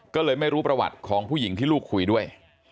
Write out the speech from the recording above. ก็เลยไม่รู้ประวัติของผู้หญิงที่ลูกคุยด้วย